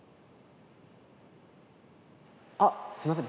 あっすいません。